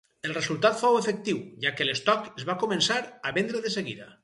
El resultat fou efectiu, ja que l'estoc es va començar a vendre de seguida.